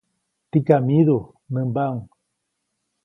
Tikam myidu, nämbaʼuŋ.